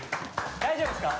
大丈夫ですか？